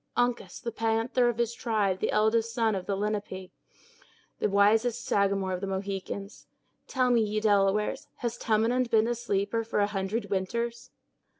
Uncas, the panther of his tribe, the eldest son of the Lenape, the wisest Sagamore of the Mohicans! Tell me, ye Delawares, has Tamenund been a sleeper for a hundred winters?"